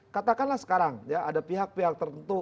katakanlah sekarang ya ada pihak pihak tertentu